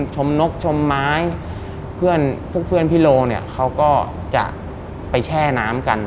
นกชมไม้เพื่อนพวกเพื่อนพี่โลเนี่ยเขาก็จะไปแช่น้ำกัน